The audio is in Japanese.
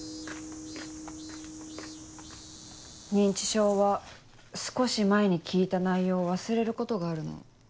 認知症は少し前に聞いた内容を忘れることがあるの。